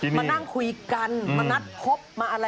มานั่งคุยกันมานัดพบมาอะไร